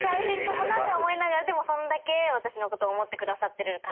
でもそんだけ私のこと思ってくださってるから。